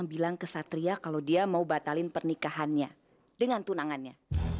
sampai jumpa di video selanjutnya